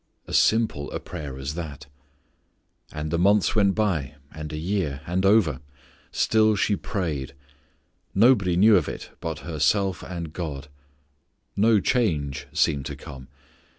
As simple a prayer as that. And the months went by, and a year, and over; still she prayed. Nobody knew of it but herself and God. No change seemed to come.